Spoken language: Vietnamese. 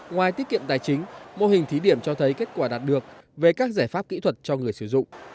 ngoài tiết kiệm tài chính mô hình thí điểm cho thấy kết quả đạt được về các giải pháp kỹ thuật cho người sử dụng